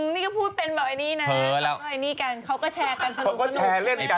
นี่ก็พูดเป็นแบบไอ้นี่นะไอ้นี่กันเขาก็แชร์กันสนุก